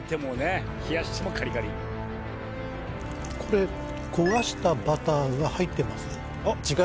これ焦がしたバターが入ってます？